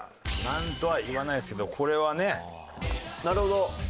何とは言わないですけどこれはね。なるほど。